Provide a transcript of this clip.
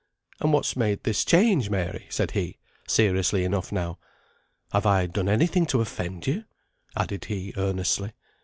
"And what's made this change, Mary?" said he, seriously enough now. "Have I done any thing to offend you?" added he, earnestly.